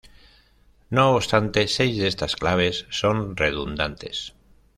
No obstante, seis de estas claves son redundantes.